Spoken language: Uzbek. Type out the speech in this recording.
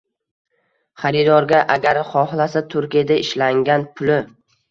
Xaridorga agar xohlasa, Turkiyada ishlangan, puli